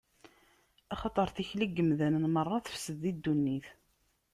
Axaṭer tikli n yemdanen meṛṛa tefsed di ddunit.